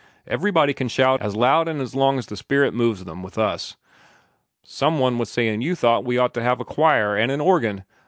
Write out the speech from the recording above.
Everybody can shout 'Amen!' as loud and as long as the Spirit moves him, with us. Some one was sayin' you thought we ought to have a choir and an organ.